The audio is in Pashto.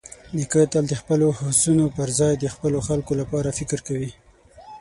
نیکه تل د خپلو هوسونو پرځای د خپلو خلکو لپاره فکر کوي.